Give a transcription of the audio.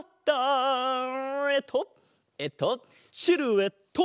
えっとえっとシルエット。